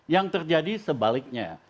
yang terjadi sebaliknya